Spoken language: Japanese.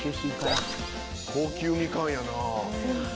高級みかんやなぁ。